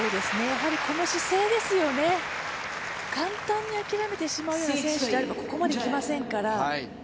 この姿勢ですよね、簡単に諦めてしまうような選手であればここまで来ませんから。